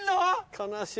悲しい。